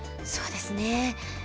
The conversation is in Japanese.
そうですね。